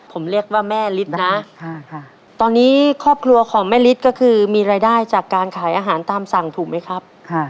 ผมเรียกว่าแม่ฤทธิ์นะตอนนี้ครอบครัวของแม่ฤทธิ์ก็คือมีรายได้จากการขายอาหารตามสั่งถูกไหมครับ